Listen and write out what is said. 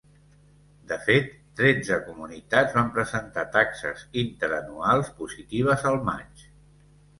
De fet, tretze comunitats van presentar taxes interanuals positives al maig.